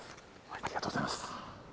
ありがとうございます。